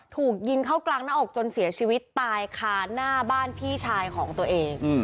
ถูกยิงเข้ากลางหน้าอกจนเสียชีวิตตายคาหน้าบ้านพี่ชายของตัวเอง